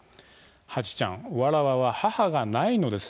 ハチちゃん、わらわは母が亡いのです。